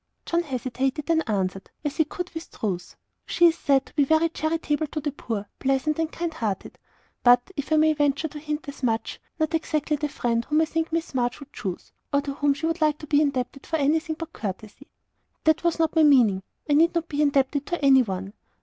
John hesitated, then answered, as he could with truth, "She is said to be very charitable to the poor, pleasant and kind hearted. But, if I may venture to hint as much, not exactly the friend whom I think Miss March would choose, or to whom she would like to be indebted for anything but courtesy." "That was not my meaning. I need not be indebted to any one.